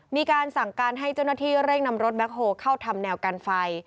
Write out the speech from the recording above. มีการสั่งการให้เจ้าหน้าที่เร่งนำรถแบ็คโฮลเข้าทำแนวกันไฟ